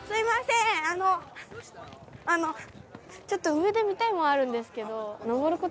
ちょっと上で見たいものがあるんですけど。